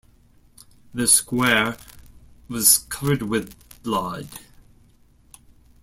The square was covered with blood.